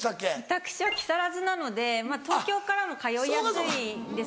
私は木更津なのでまぁ東京からも通いやすいんですけど。